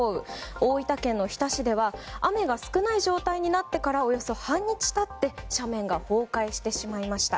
大分県日田市では雨が少ない状態になってからおよそ半日経って斜面が崩壊してしまいました。